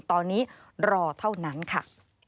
ตอนนี้รอเท่านั้นค่ะ